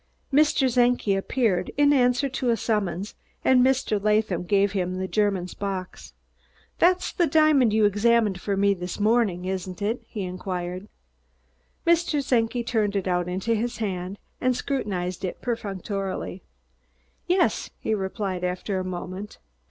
Mr. Czenki appeared, in answer to a summons, and Mr. Latham gave him the German's box. "That's the diamond you examined for me this morning, isn't it?" he inquired. Mr. Czenki turned it out into his hand and scrutinized it perfunctorily. "Yes," he replied after a moment.